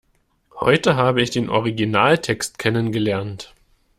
Heute habe ich den Originaltext kennen gelernt.